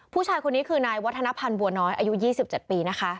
ผู้ชายคนนี้คือนายวัฒนภัณฑ์บัวน้อยอายุ๒๗ปีนะคะ